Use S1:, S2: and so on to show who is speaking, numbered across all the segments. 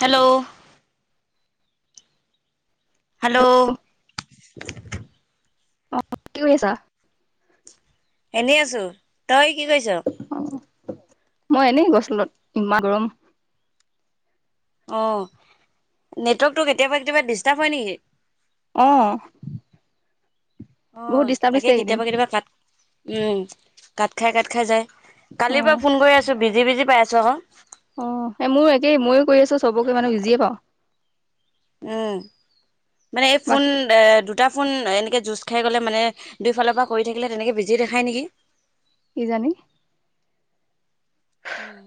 S1: Hello hello
S2: আহ কি কৰি আছা
S1: এনেই আছো তই কি কৈছ
S2: মই এনেই গছ তত ইমানা গৰম
S1: অ নেটৱৰ্কটো কেতিয়াবা কেতিয়াবা ডিষ্টাৰ্ব হয় নেকি
S2: আহ
S1: অ তাকে কেতিয়াবা কেতিয়াবা কাট উম কাট খাই কাট খাই যাই
S2: অ
S1: কালিৰ পৰা ফোন কৰি আছো বিজি বিজি পাই আছো আক
S2: অ এই মোৰো একেই ময়ো কৰি আছো চবকে মানে ইজিয়ে পাওঁ
S1: উম মানে এই ফোন
S2: বাকী
S1: এ দুটা ফোন এনেকে যুজ দে খাই গ'লে মানে দুইফালৰ পৰা কৰি থাকিলে তেনেকৈ বিজি দেখায় নেকি
S2: কি জানি
S1: উম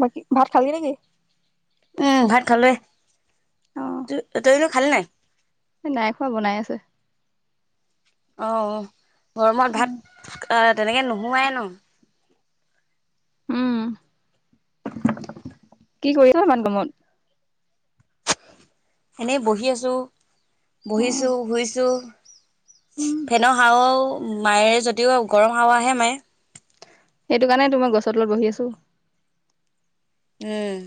S2: বাকী ভাত খালি নেকি
S1: উম ভাত খালে
S2: অ
S1: ত তইনো খালি নাই
S2: নাই খোৱা বনাই আছে
S1: অ
S2: অ
S1: গৰমত ভাত তেনেকে নোহোৱাই ন
S2: উম
S1: [unintelligible]
S2: কি কৰিছ মমান ব মন
S1: এনেই বহি আছোঁ
S2: অ
S1: বহিছোঁ শুইছোঁ
S2: উম
S1: ফেনৰ হাৱাও মায়ে যদিও গৰম হাৱা হে মায়ে
S2: সেইটো কাৰণে তো মই গছৰ তলত বহি আছো
S1: হম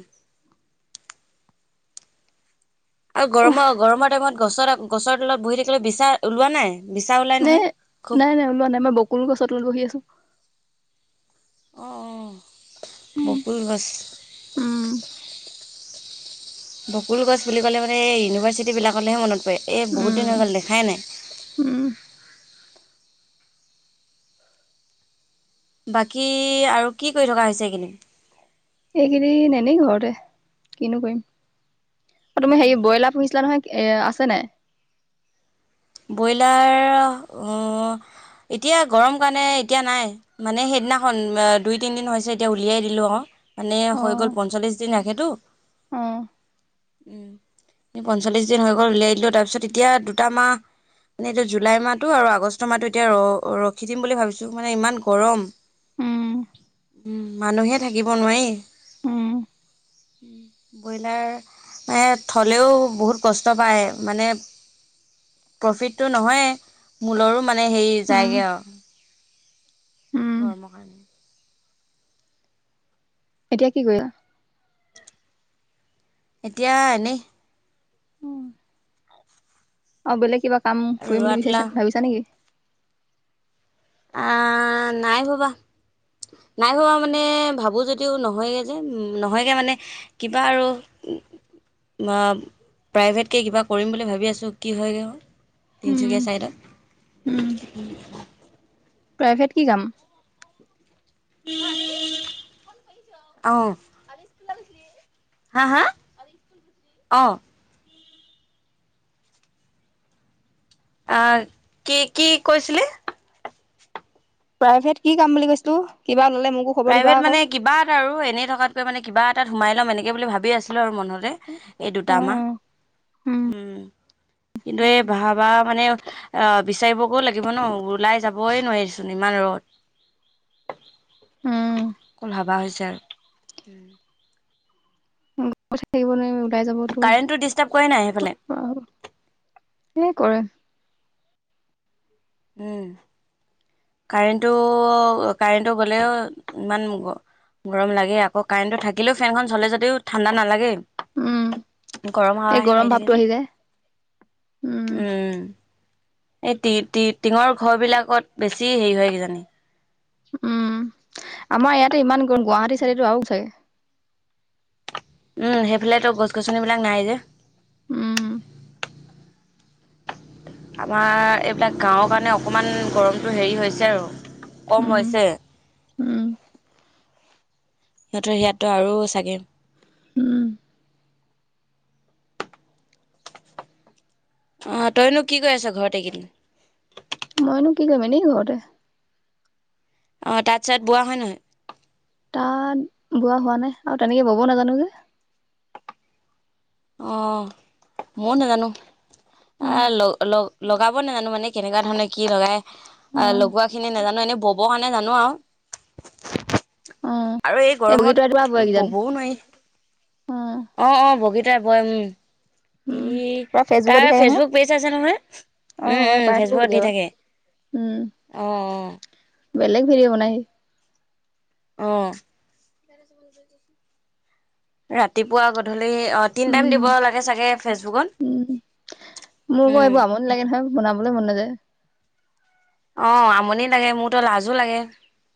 S1: আৰু
S2: উফ
S1: গৰমৰ গৰমৰ টাইমত গছৰ গছৰ তলত বহি থাকিলে বিচা ওলোৱা নাই বিচা ওলাই
S2: নাই
S1: নহয় খুব
S2: নাই নাই ওলোৱা নাই মই বকুৰো গছত ওলহি আছো
S1: অঁ অ
S2: উম
S1: বকুল গছ
S2: উম
S1: বকুল গছ বুলি ক'লে মানে এই ইউনিভাৰ্চিটিবিলাকলৈহে মনত পৰে এই বহুত দিন হৈ গ'ল
S2: উম
S1: দেখাই নাই।
S2: উম
S1: বাকী আৰু কি কৰি থকা হৈছে এইখিনি?
S2: এই কেইদিন এনেই ঘৰতে কিনো কৰিম। তুমি হেৰি ব্ৰইলাৰ পুহিছিলা নহয় এ আছে নাই।
S1: ব্ৰইলাৰ। এতিয়া গৰম কাৰণে এতিয়া নাই মানে সেইদিনাখন দুই তিনিদিন হৈছে এতিয়া উলিয়াই দিলোঁ আউ। মানে
S2: অ
S1: হৈ গ'ল পঞ্চল্লিশ দিন
S2: অ
S1: আহখেতটো। পঞ্চল্লিছ দিন হৈ গ'ল উলিয়াই দিলোঁ তাৰপিছত এতিয়া দুটামাহ। মানে এতিয়া জুলাই মাহটো আৰু আগষ্ট মাহটো এতিয়া ৰ ৰখি দিম বুলি ভাবিছো মানে ইমান গৰম।
S2: উম
S1: উম মানুহে থাকিব নোৱাৰি।
S2: উম,
S1: ব্ৰইলাৰ মে থ'লেও বহুত কষ্ট পায় মানে। প্ৰফিটটো নহয় মূলৰো মানে হেৰি
S2: উম,
S1: যায়গৈ আৰু।
S2: উম,
S1: গৰম কাৰনে?
S2: এতিয়া কি কৰা।
S1: এতিয়া এনেই?
S2: অ বেলেগ কিবা কাম কৰিম
S1: ৰোৱা
S2: বুলি
S1: তোলা
S2: বিচাৰিছা ভাবিছা নেকি।
S1: অ নাই ভবা নাই ভবা মানে ভাবো যদি। ও নহয়গৈ যে নহয়গৈ মানে কিবা আৰু। বা প্ৰাইভেটকে কিবা কৰিম বুলি ভাবি আছো কি হয়গৈ অ।
S2: উম,
S1: তিনিচুকীয়া চাই দত।
S2: উম, প্ৰাইভেট কি কাম।
S1: আহ হা হা আহ। আহ কি কি কৈছিলি।
S2: প্ৰাইভেট কি কাম বুলি কৈছিলো কিবা। ওলালে মোকো খবৰ দিবা
S1: প্ৰাইভেট
S2: আকৌ।
S1: মানে কিবা এটা আৰু এনেই থকাতকৈ মানে কিবা এটাত সোমাই ল'ম এনেকে বুলি ভাবি আছিলো আৰু মনত। এই দুতা মা
S2: অ',
S1: উ কিন্তু এই ভাবা। মানে বিচাৰিবকো লাগিব ন ওলাই যাবই নোৱাৰিচোন ইমান ৰদ।
S2: উ
S1: অকণ ভবা হৈছে আৰু।
S2: থাকিব নোৱাৰি?
S1: কাৰেণ্টটো ডিষ্টাৰ্ব কৰে নাই
S2: ওলাই
S1: সেইফালে
S2: যাবতো এনে কৰে।
S1: উম কাৰেণ্টটো কাৰেণ্টটো গ'লেও ইমান গ। গৰম লাগে আকৌ কাৰেণ্টটো থাকিলেও ফেনখন চলে যদিও ঠাণ্ডা নালাগে।
S2: উম,
S1: গৰম
S2: এই
S1: হাৱাহে মাৰি
S2: ভাৱটো
S1: থাকে
S2: আহি যায় উম,
S1: যে। উম এই টি টি টিঙৰ ঘৰ বিলাকত বেছি হেৰি হয় কিজানি।
S2: উম আমাৰ ইয়াতে ইমান গম গুৱাহাটী চাইডেটো আৰু চাগে।
S1: উম সেইফালেতো গছ গছনিবিলাক নাই যে।
S2: উম
S1: আমাৰ এইবিলাক গাঁওৰ কাৰণে অকণমান গৰমটো হেৰি হৈছে আৰু। কম
S2: উম,
S1: হৈছে।
S2: উম,
S1: সিহঁতৰ সীয়াতটো আৰু চাগে।
S2: উম,
S1: আহ তইনো কি কৈ আছ ঘৰত এইকেইদিন।
S2: মইনো কি কৰিম এনে ঘৰতে।
S1: অ তাত চাত বোৱা হয় নহয়।
S2: তাত বোৱা হোৱা নাই আৰু তেনেকে বব নাজানো যে।
S1: অ ময়ো নাজানো
S2: উম,
S1: আহ লগ ল লগাব নোজানো মানে কেনেকুৱা ধৰণে কি লগাই অ
S2: উম,
S1: লগোৱা খিনি নাজানো- এনে ববৰ কাৰণে জানো আৰু
S2: অ
S1: আৰু এই
S2: বগীতৰা ৰাতিপুৱা
S1: গৰমত
S2: বয় কিজান
S1: ববও নোৱাৰি অ অ বগীত- বয় উম
S2: উম
S1: ই
S2: পুৰা ফেচবুকত দি
S1: তাৰ
S2: থাকে নহয়।
S1: ফেচবুক পেজ আছে নহয় উম
S2: অ পাই
S1: উম
S2: থাকো
S1: ফেচবুকত দি
S2: কেতিয়াবা
S1: থাকে।
S2: উম
S1: অঁ
S2: বেলেগ ভিদ বনাই আহি।
S1: আহ ৰাতিপুৱা গধূলি অ তিনি টাইম দিব
S2: উম
S1: লাগে চাগে ফেচবুকত।
S2: উম মোৰ ক
S1: উম
S2: এইবোৰ আমনি লাগে নহয় বনাবলৈ মন নাযায়।
S1: অ আমনি লাগে মোৰতো লাজো লাগে।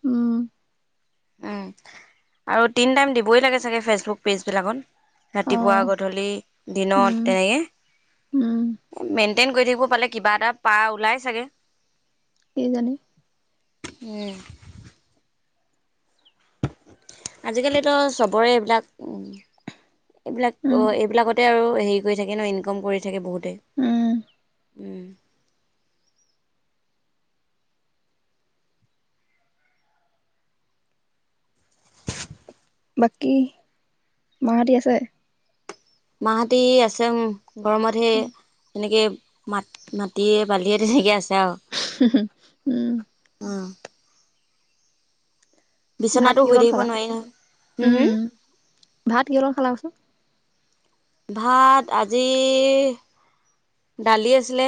S2: উম
S1: উম আৰু তিন টাইম দিবই লাগে চাগে ফেচবুক পেজবিলাকত
S2: অ
S1: ৰাতিপুৱা গধূলি
S2: উম
S1: দিনত
S2: উম
S1: তেনেকে- মেইনটেইন কৰি থাকিব পালে কিবা এটা পাৰ ওলাই চাগে
S2: কি জানি
S1: উ আজিকালিতো চবৰে এইবিলাক উ এইবিলাক অ
S2: উম
S1: এইবিলাকত তে আৰু হেৰি কৰি থাকে ন ইনকম কৰি থাকে বহুতে
S2: উম [inaudible] বাকী মা হেতি আছে।
S1: মাহতি আছে উম গৰমতহে এনেকে। মাত মাটি বালিয়ে তেনেকে আছে। আৰু
S2: উম
S1: উম,
S2: ভাত
S1: বিচনাটো
S2: কিহৰ
S1: শুই
S2: লগত
S1: থাকিব
S2: খালা?
S1: নোৱাৰি নহয় হম
S2: উম
S1: হম
S2: ভাত কিহৰ লগত খালা কৈছো?
S1: ভাত আজি দালি আছিলে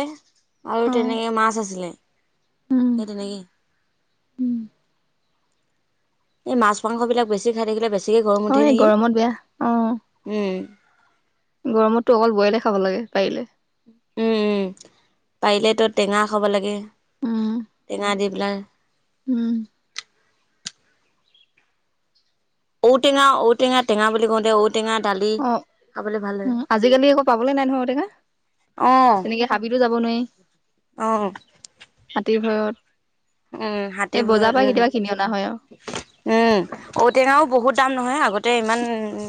S1: আৰু
S2: অ
S1: তেনেকে মাছ আছিলে।
S2: উম
S1: সেই তেনেকেই। এই মাছ মাংস বিলাক বেছি খাই থাকিলে বেছিকে গৰম
S2: অ
S1: উঠে
S2: এই
S1: নেকি
S2: গৰমত বেয়া
S1: উম
S2: গৰমতো অকল বইলে খাব লাগে পাৰিলে
S1: উম উম পাৰিল তো টেঙা খাব লাগে
S2: উম
S1: টেঙা দি না
S2: উম
S1: ঔটেঙা, ঔটেঙা টেঙা বুলি কওঁতে ঔ
S2: অ উ আজিকালি আকৌ পাবলৈ নাই নয় ঔটেঙা তেনেকে হাবিতো যাব নোৱাৰি।
S1: আহ
S2: হাতীৰ ভয়ত।
S1: উম হাতী,
S2: এই বজাৰ
S1: ভয়ত
S2: পৰা
S1: উম-
S2: কেতিয়াবা কিনি অনা হয় আৰু
S1: উম ঔটেঙাও বহুত দাম নহয় আগতে ইমান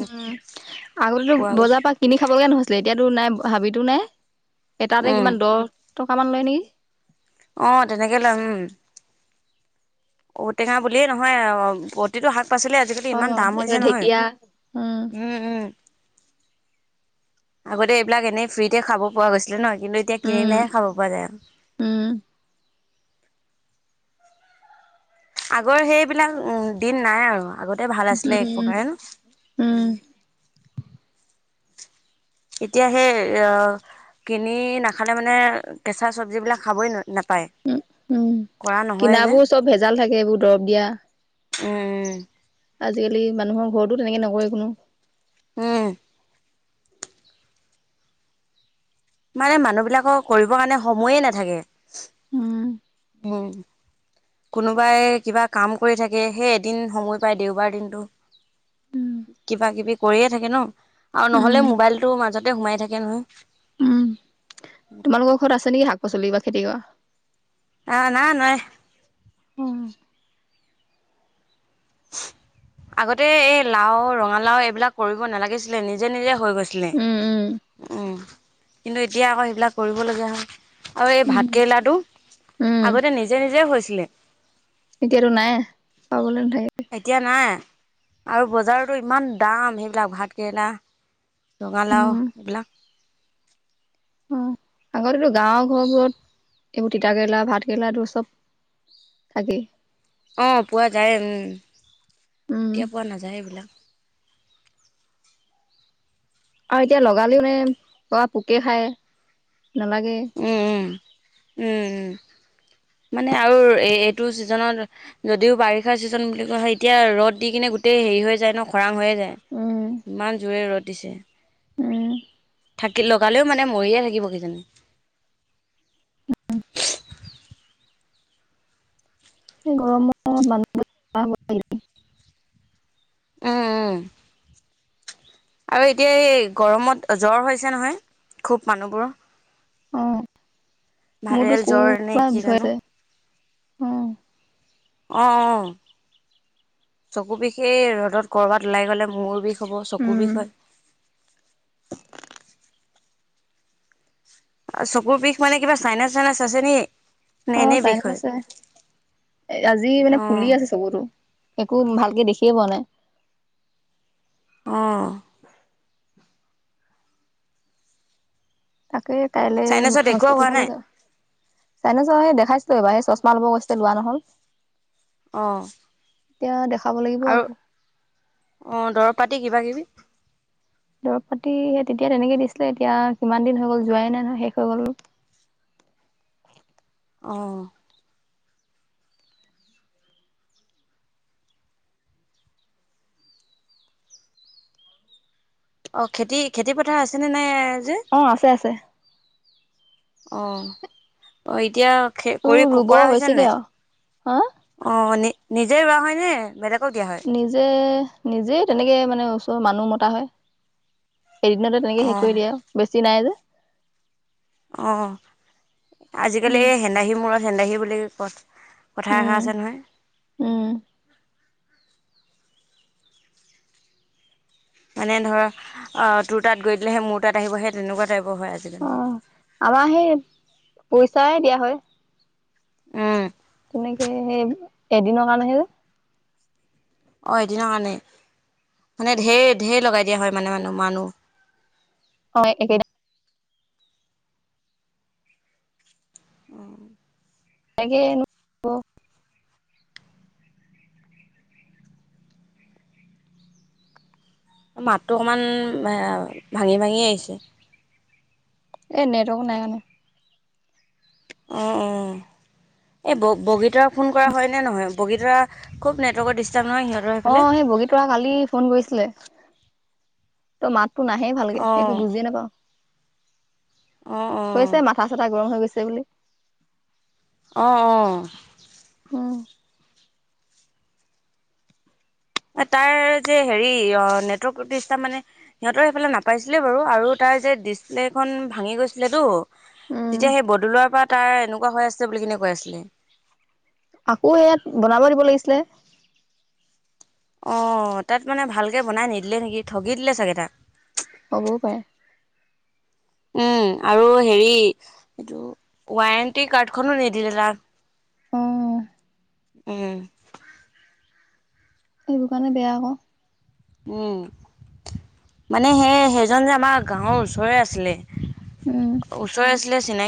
S2: উম আগতো
S1: পোৱা গৈছে
S2: বজাৰ পৰা কিনি খাবগে নহৈছিলে এতিয়াতো নাই। হাবিতো নাই এটাতে
S1: উম
S2: কিমান দহ টকামান লয় নেকি?
S1: আহ তেনেকেই লই উম। ঔটেঙা, বুলিয়েই নহয় অ প্ৰতিটো শাক, পাচলি আজিকালি ইমান
S2: অ',
S1: দাম হৈছে
S2: এইফালে
S1: নহয়
S2: ঢেকীয়া
S1: উম উম। আগতে এইবিলাক এনেই ফ্ৰীতে খাব পোৱা গৈছিলে ন কিন্তু এতিয়া
S2: উম,
S1: কিনিলেহে খাব পৰা যায় আৰু-
S2: উম,
S1: আগৰ সেইবিলাক উ দিন নাই আৰু- আগতে ভাল আছিলে এক
S2: উম,
S1: প্ৰকাৰে।
S2: উম,
S1: এতিয়া সেই অ কিনি নাখালে মানে কেঁচা চব্জিবিলাক খাবই ন ন
S2: উ উম
S1: যে
S2: কিনাবোৰ চব ভেজাল থাকে এইবোৰ দৰব দিয়া
S1: উম
S2: আজিকালি মানুহৰ ঘৰতো তেনেকে নকৰে কোনো
S1: উম মানে মানুহবিলাকৰ কৰিবৰ কাৰণে সময়ে নাথাকে
S2: উম,
S1: হম। কোনোবাই কিবা কাম কৰি থাকে সেই এদিন সময় পায় দেওবাৰ দিনটো
S2: উম,
S1: কিবা কিবি কৰিয়ে থাকে ন আৰু
S2: উম,
S1: নহলে মোবাইলটো মাজতে সোমাই থাকে নহয়।
S2: উম তোমালোকৰ ঘৰত আছে নেকি শাক পাচলি বা খেতি কৰা
S1: অঁ না নাই।
S2: উম।
S1: আগতে এই লাও ৰঙালাওঁ এইবিলাক কৰিব নালাগিছিলে নিজে নিজে হৈ গৈছিল আছিলে
S2: উম,
S1: উম কিন্তু এতিয়া আকৌ সেইবিলাক কৰিবলগীয়া হয় আৰু এই
S2: উম, উম।
S1: ভাতকেৰেলা টো আগতে নিজে নিজে হৈছিলে
S2: এতিয়া টো নাই পাবলৈ নাথাকে
S1: এতিয়া নাই আৰু বজাৰতো ইমান দাম সেইবিলাক ভাত কেৰেলা ৰঙালাও এইবিলাক
S2: অঁ আগতেতো গাঁওৰ ঘৰবোৰত এইবোৰ তিতাকেৰেলা ভাত কেৰেলাটো চব থাকেই।
S1: অঁ পোৱা যায় উম
S2: উম
S1: এতিয়া পোৱা নাযায় এইবিলাক
S2: আৰু এতিয়া লগালেও নে পোৰা পোকে খায় নালাগে
S1: উম উম উম উম
S2: উম [unintelligible]
S1: মানে আৰু এই এইটো ছিজনত যদিও বাৰিষাৰ ছিজন বুলি কোৱা হয় এতিয়া ৰ'দ দি কিনে গোটেই হেৰি হৈ যায় ন খৰাং হৈয়ে যায়
S2: উম
S1: ইমান জোৰে ৰ'দ দিছে
S2: উম
S1: থাকি লগালেও মানে মৰিয়ে থাকিব কিজানি
S2: [unintelligible] গৰম মানুহ বিলাকৰ বেমাৰ হ'ব দেই
S1: উম উম আৰু এতিয়া এই গৰমত জ্বৰ হৈছে নহয় খুব মানুহবোৰৰ
S2: অঁহ মোৰতো
S1: ভাইৰেল
S2: স্কুল
S1: জ্বৰ নে
S2: পৰা
S1: কি জানো
S2: বিষয়তে অহ
S1: অঁহ অঁহ চকু বিষেই ৰ'দত কৰবাত ওলাই গলে মূৰ বিষ হ'ব চকুৰ
S2: উম
S1: বিষয় হয় আৰু চকুৰ বিষ মানে কিবা চাইনাচ চাইনাচ আছে নেকি
S2: অহ চাইনত আছে আজি মানে ফুলি
S1: অ',
S2: আছে চকুতো একো ভালকে দেখিয়ে পোৱা নাই
S1: অহ
S2: তাকে কাইলে
S1: চাইনাছত দেখুওৱা
S2: হস্পিতেল
S1: হোৱা
S2: ফালে
S1: নাই?
S2: যাম তাকেই খাইছিলো এইবাৰ এই চচমা ল'ব গৈছিলে লোৱা নহল
S1: অহঁ
S2: এতিয়া দেখ
S1: আৰু অঁহ দৰৱ পাতি কিবা কিবি
S2: দৰৱ পাতি সেই তেতিয়া তেনেকে দিছিলে এতিয়া কিমান দিন হৈ গ'ল যোৱাই নাই নহয় শেষ হৈ গ'ল [unintelligible]
S1: অহঁ অঁহ খেতি খেতি পথাৰ আছে নে নাই যে?
S2: অঁহ আছে আছে
S1: অ অ এতিয়া খে
S2: তো
S1: কৰি
S2: ৰুব
S1: কৰা হৈছে
S2: হৈছেগে
S1: নাই
S2: আৰু হা
S1: অ নি নিজেই ৰোৱা হয় ন বেলেগ
S2: নিজে নিজে তেনেকে মানে ওচৰৰ মানুহ মতা হয় এদিনতে তেনেকে শেষ
S1: অ',
S2: কৰি দিয়া বেছি নাই যে।
S1: অ আজিকালি
S2: উম
S1: হেন্দাহী মূৰত হেন্দাহী বুলি ক'ত। কথা এষাৰ আছে নহয়
S2: উম
S1: মানে ধৰা অহ তোৰ তাত গৈ দিলেহে মোৰ তাত আহিব সে তেনেকুৱা টাইপ
S2: অহ আমাৰ সেই পইচাই দিয়া হয়
S1: উম
S2: তেনেকে সেই এদিনৰ কাৰণেহে যে
S1: অহ এদিন কাৰণে মানে ঢেৰ ঢেৰ লগাই দিয়া হয় মানে মানে মানুহ
S2: হয় একে দিনা
S1: [unintelligible]
S2: তানেকে নো ক
S1: মাতটো অকণমান ভাঙি ভাঙি আহিছে
S2: এ নেটৱৰ্ক নাই মানে
S1: উম উম এই ব বগীতাৰ ফোন কৰা হয় নে নহয় বগীতাৰ খুব নেটৱৰ্কৰ দিছ
S2: অহ সেই বগীতৰা কালি ফোন কৰিছিলে তই মাত তো নাহেই ভালকে
S1: অ',
S2: একো বুজিয়ে নাপাওঁ
S1: অ', অ'।
S2: কৈছে মাথা চাথা গৰম হৈ গৈছে বুলি
S1: অহ অহ
S2: উম
S1: তাৰ যে হেৰি অ নেটৱৰ্ক প্ৰতিষ্ঠা মানে সিহঁতৰ সেইফালে নাপাইছিলে বাৰু আৰু তা ত যে ডিচপ্লেখন ভাঙি গৈছিলেতো।
S2: উম।
S1: তেতিয়া সেই বদলোৱাৰ পৰা তাৰ এনেকুৱা হৈ আছে বুলি কিনে কৈ আছিলে।
S2: আকৌ ইয়াত বনাব দিব লাগিছিলে।
S1: অ তাত মানে ভালকে বনাই নিদিলে নেকি ঠগি দিলে চাগে তাক।
S2: হ'বও পাৰে
S1: উম আৰু হেৰি ৱাৰেণ্টি কাৰ্ডখনো নিদিলে তাক।
S2: অ
S1: উম
S2: সেইবোৰ কাৰণে বেয়াক
S1: উম। মানে সেই সেইজন যে আমাৰ গাঁৱৰ ওচৰৰে আছিলে।
S2: উম।
S1: ওচৰ আছিলে চিনাকি